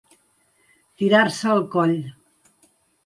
Tirar-se al coll.